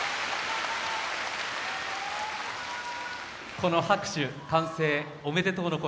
この拍手、歓声おめでとうの声。